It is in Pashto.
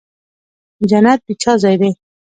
جنت د چا ځای دی؟